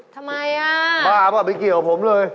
ทำไมอะบ้าบอะไม่เกี่ยวของผมเลย